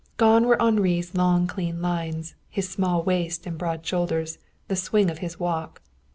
Gone were Henri's long clean lines, his small waist and broad shoulders, the swing of his walk.